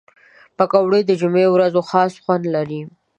پکورې د جمعې ورځو خاص خوند لري